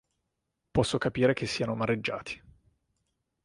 Posso capire che siano amareggiati.